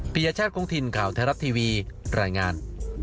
พิญญาชาติกรุงทินทร์ข่าวไทยรับทีวีรายงาน